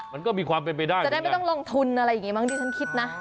มันก็มีความเป็นไปได้จะได้ไม่ต้องลงทุนอะไรอย่างนี้มั้งดิฉันคิดนะ